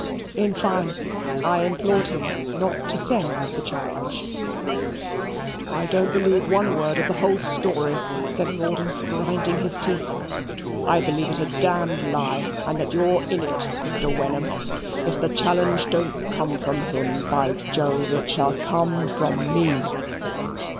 In fine, I implored him not to send the challenge." "I don't believe one word of the whole story," said Rawdon, grinding his teeth. "I believe it a d lie, and that you're in it, Mr. Wenham. If the challenge don't come from him, by Jove it shall come from me."